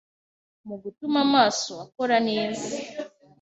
mu gutuma amaso akora neza.